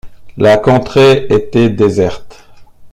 La contrée était déserte.